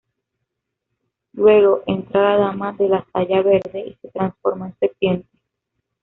Luego, entra la Dama de la Saya Verde y se transforma en serpiente.